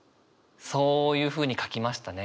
そういうふうに書きましたね。